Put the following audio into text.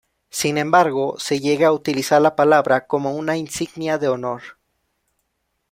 Sin embargo, se llega a utilizar la palabra como una insignia de honor.